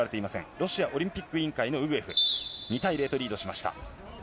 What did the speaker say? ロシアオリンピック委員会のウグエフ、２対０とリードしました。